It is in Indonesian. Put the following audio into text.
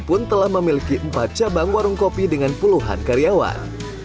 pun telah memiliki empat cabang warung kopi dengan puluhan karyawan